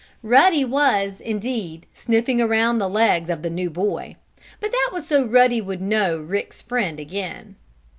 Ruddy was, indeed, sniffing around the legs of the new boy. But that was so Ruddy would know Rick's friend again.